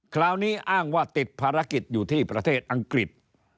คราวนี้อ้างว่าติดภารกิจอยู่ที่ประเทศอังกฤษ